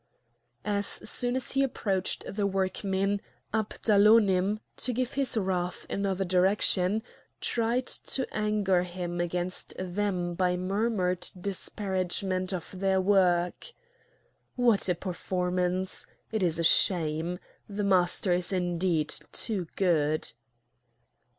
As soon as he approached the workmen, Abdalonim, to give his wrath another direction, tried to anger him against them by murmured disparagement of their work. "What a performance! It is a shame! The Master is indeed too good."